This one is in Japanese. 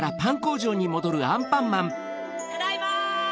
ただいま！